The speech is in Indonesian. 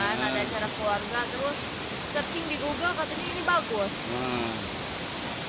ada acara keluarga terus searching di google katanya ini bagus